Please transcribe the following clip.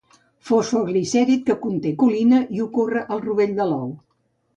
Fosfoglicèrid que conté colina i ocorre al rovell de l'ou.